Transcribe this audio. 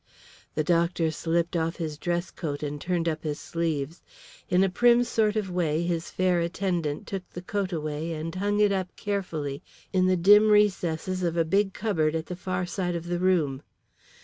The doctor slipped off his dress coat and turned up his sleeves. In a prim sort of way his fair attendant took the coat away and hung it up carefully in the dim recesses of a big cupboard at the far side of the room.